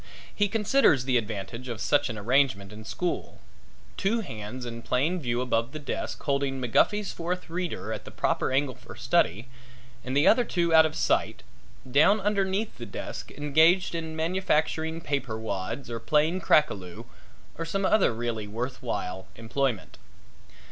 He considers the advantage of such an arrangement in school two hands in plain view above the desk holding McGuffy's Fourth Reader at the proper angle for study and the other two out of sight, down underneath the desk engaged in manufacturing paper wads or playing crack a loo or some other really worth while employment.